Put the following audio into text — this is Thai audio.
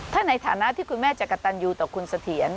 ถ้าในฐานะที่คุณแม่จะกระตันยูต่อคุณเสถียร